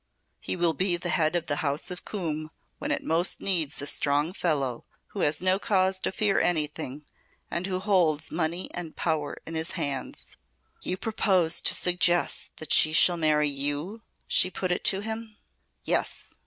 He will be the Head of the House of Coombe when it most needs a strong fellow who has no cause to fear anything and who holds money and power in his hands." "You propose to suggest that she shall marry you?" she put it to him. "Yes.